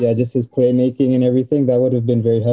ya pembuatan permainannya dan semuanya